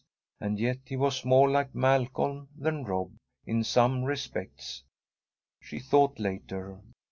And yet he was more like Malcolm than Rob, in some respects, she thought later.